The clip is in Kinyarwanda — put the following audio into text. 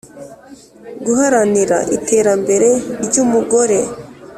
Guharanira iterambere ry umugore